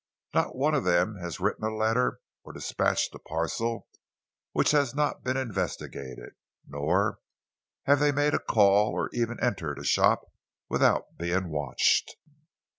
Not one of them has written a letter or dispatched a parcel which has not been investigated, nor have they made a call or even entered a shop without being watched.